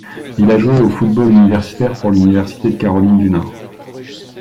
Il a joué au football universitaire pour l'Université de Caroline du Nord.